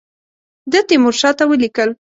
ده تیمورشاه ته ولیکل.